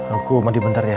aku mandi bentar ya